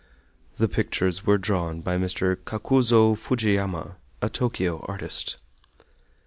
The pictures were drawn by Mr. Kakuzo Fujiyama, a Tokio artist.